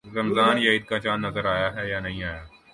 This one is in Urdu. رمضان یا عید کا چاند نظر آیا ہے یا نہیں آیا